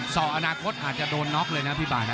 อกอนาคตอาจจะโดนน็อกเลยนะพี่บาทนะ